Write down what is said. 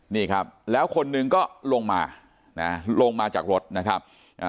นี่ครับแล้วคนหนึ่งก็ลงมานะลงมาจากรถนะครับอ่า